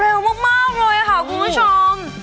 เร็วมากเลยค่ะคุณผู้ชม